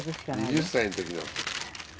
２０歳の時の手帳。